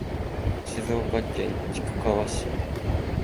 静岡県菊川市